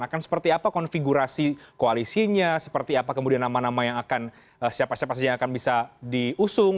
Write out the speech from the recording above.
akan seperti apa konfigurasi koalisinya seperti apa kemudian nama nama yang akan siapa siapa saja yang akan bisa diusung